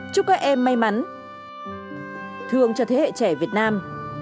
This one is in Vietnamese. chúc các em may mắn thương cho thế hệ trẻ việt nam